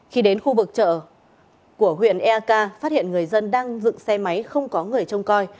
khi đến khu vực chợ của huyện ek phát hiện người dân đang dựng xe máy không có người trông có